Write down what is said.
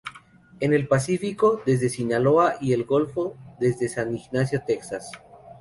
En el Pacífico, desde Sinaloa, y en el Golfo, desde San Ignacio, Texas.